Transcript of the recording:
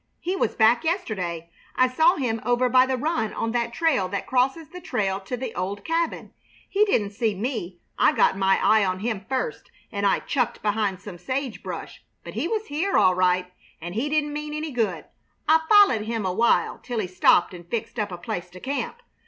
He was back yesterday. I saw him over by the run on that trail that crosses the trail to the old cabin. He didn't see me. I got my eye on him first, and I chucked behind some sage brush, but he was here, all right, and he didn't mean any good. I follahed him awhile till he stopped and fixed up a place to camp.